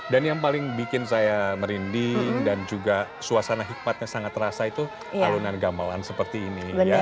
dan yang paling bikin saya merinding dan juga suasana hikmatnya sangat terasa itu alunan gamelan seperti ini